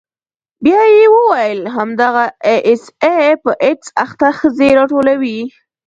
بيا يې وويل همدغه آى اس آى په ايډز اخته ښځې راټولوي.